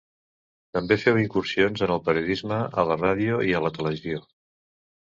També feu incursions en el periodisme, a la ràdio i a la televisió.